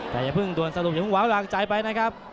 แต่อย่าเพิ่งดวนสะดุ้งอย่าเพิ่งหวังใจไปนะครับ